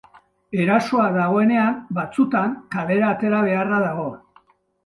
Erasoa dagoenean, batzutan, kalera atera beharra dago.